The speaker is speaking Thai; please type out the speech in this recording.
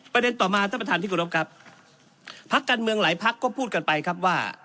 ต่อมาท่านประธานที่กรบครับพักการเมืองหลายพักก็พูดกันไปครับว่า